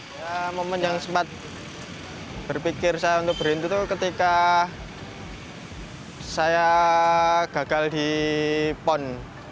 ya momen yang sempat berpikir saya untuk berhenti itu ketika saya gagal di pon dua ribu enam belas